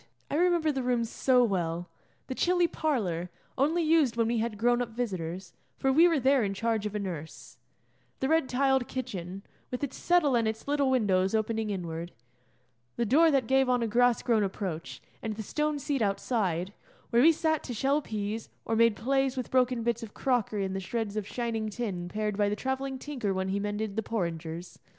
I remember the rooms so well: the chilly parlour, only used when we had grown up visitors, for we were there in charge of a nurse; the red tiled kitchen, with its settle and its little windows opening inward; the door that gave on a grass grown approach; and the stone seat outside, where we sat to shell peas, or made 'plays' with broken bits of crockery and the shreds of shining tin pared by the travelling tinker when he mended the porringers.